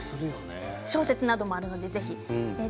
小説もあるので、ぜひ。